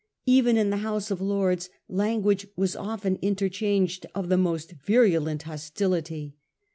Even in the House of Lords language was often interchanged of the most virulent hostility.